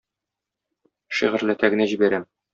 Шигырьләтә генә җибәрәм.